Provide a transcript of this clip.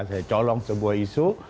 saya colong sebuah isu